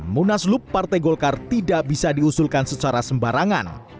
munaslup partai golkar tidak bisa diusulkan secara sembarangan